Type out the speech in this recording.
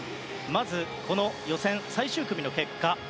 まず、この予選最終組の結果。